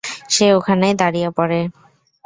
সে ওখানেই দাঁড়িয়ে পড়ে।